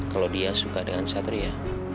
kalau dia suka dengan satria